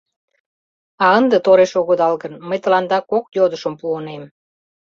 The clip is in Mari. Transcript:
А ынде тореш огыдал гын, мый тыланда кок йодышым пуынем.